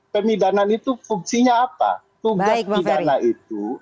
pemidanan itu fungsinya apa tugas pidana itu